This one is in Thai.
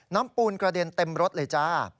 ปูนกระเด็นเต็มรถเลยจ้า